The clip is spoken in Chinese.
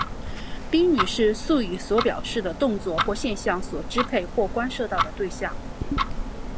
宾语是述语所表示的动作或现象所支配或关涉到的对象。